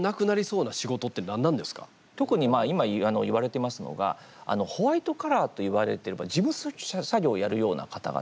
特に今いわれていますのがホワイトカラーといわれている事務作業をやるような方々。